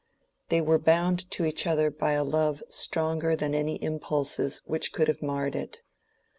They were bound to each other by a love stronger than any impulses which could have marred it.